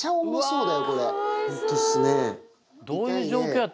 ホントですね。